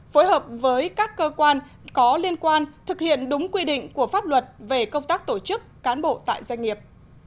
phối hợp với các cơ quan có liên quan thực hiện đúng quy định của pháp luật về công tác tổ chức cán bộ tại doanh nghiệp